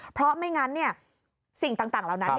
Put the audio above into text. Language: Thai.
เพราะไม่งั้นสิ่งต่างเหล่านั้น